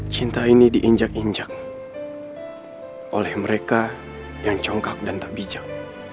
cinta ini diinjak injak oleh mereka yang congkak dan tak bijak